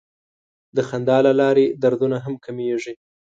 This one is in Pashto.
د خندا له لارې دردونه هم کمېږي.